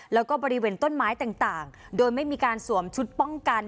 แล้วก็บริเวณต้นไม้ต่างโดยไม่มีการสวมชุดป้องกัน